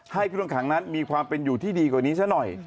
ให้ผู้ต้องขังนั้นมีความเป็นอยู่ที่ดีกว่านี้ซะหน่อย